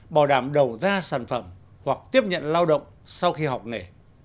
bảo đảm đầu ra sản phẩm hoặc tiếp nhận lao động sau khi học nghề